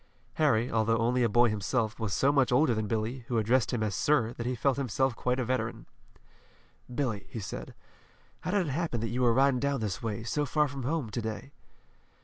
Harry, although only a boy himself, was so much older than Billy, who addressed him as "sir," that he felt himself quite a veteran. "Billy," he said, "how did it happen that you were riding down this way, so far from home, to day?"